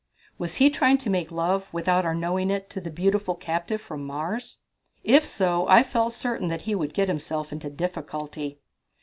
Was he trying to make love without our knowing it to the beautiful captive from Mars? If so, I felt certain that he would get himself into difficulty.